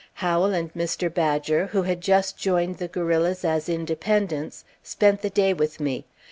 Howell and Mr. Badger, who had just joined the guerrillas as independents, spent the day with me.